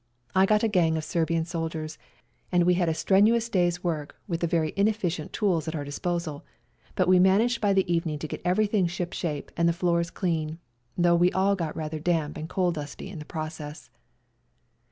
I got a gang of Serbian soldiers, and we had a strenuous day's work with the very inefficient tools at our disposal, but we managed by the evening to get everything ship shape and the floors clean, though we all got rather damp and coal dusty in the process.